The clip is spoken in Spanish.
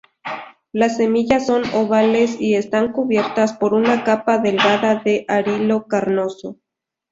Las semillas son ovales y están cubiertas por una capa delgada de arilo carnoso.